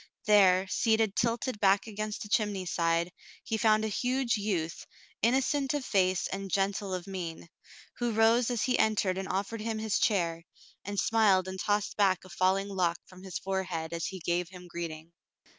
There, seated tilted back against the chimney side, he found a huge youth, innocent of face and gentle of mien, who rose as he entered and offered him his chair, and smiled and tossed back a falling lock from his forehead as he gave him greeting.